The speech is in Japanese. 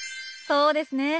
そうですね。